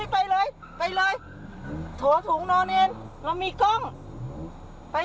ไม่เป็นต้องไง